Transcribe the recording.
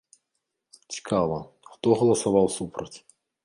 Цікава, хто галасаваў супраць?